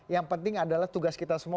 yang penting adalah tugas kita semua